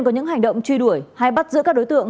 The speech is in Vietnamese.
có những hành động truy đuổi hay bắt giữ các đối tượng